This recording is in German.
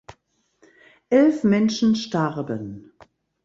Elf Menschen starben.